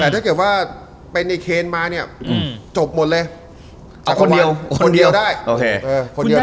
นี้อืมจบหมดเลยเอาคนเดียวคนเดียวได้โอเคเออคนเดียว